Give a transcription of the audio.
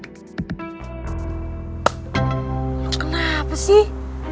lo kenapa sih